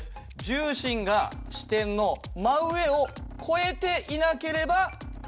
重心が支点の真上を越えていなければ。